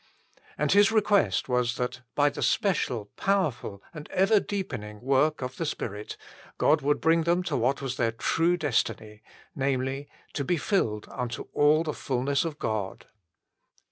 And his request was that by the special, powerful, and ever deepening work of the Spirit, God would bring them to what was their true destiny namely, to be filled unto all the fulness of God.